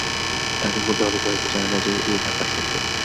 তোমাদের মধ্যে অনেকেই হয়তো জানো যে, এই ব্যাপার সত্য।